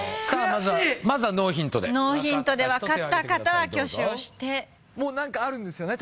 まずはノーヒントでノーヒントでわかった方は挙手をしてもう何かあるんですよね？